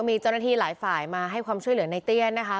มีเจ้าหน้าที่หลายฝ่ายมาให้ความช่วยเหลือในเตี้ยนะคะ